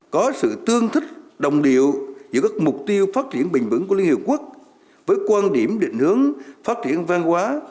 có sự tương thích đồng điệu giữa các mục tiêu phát triển bình vững của liên hiệp quốc với quan điểm định hướng phát triển văn hóa